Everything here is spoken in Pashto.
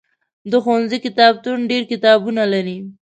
د ښوونځي کتابتون ډېر کتابونه لري.